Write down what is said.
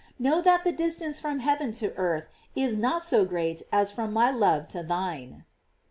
Know that the dis tance from heaven to earth is not so great as from my love to thine."